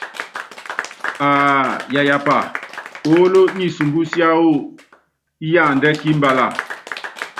Aa yayapá oolo niinsumbi siáwɔ síaadiɛ́ kímabala.